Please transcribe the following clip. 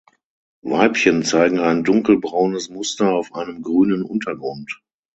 Weibchen zeigen ein dunkelbraunes Muster auf einem grünen Untergrund.